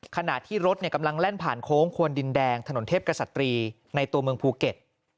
ขณะที่รถกำลังแล่นผ่านโค้งควนดินแดงถนนเทพกษัตรีในตัวเมืองภูเก็ต